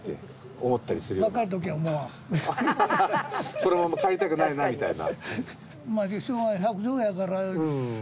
このまま帰りたくないなみたいな？